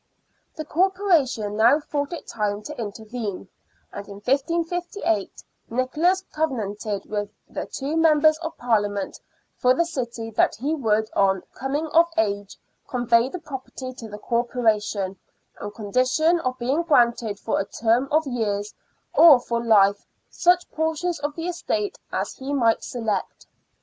The Corporation now thought it time to intervene, and in 1558 Nicholas covenanted with the two Members of Parhament for the city that he would, on " coming of age," convey the property to the Corporation, on condition of being granted for a term of years or for life such portions of the estate as he might select.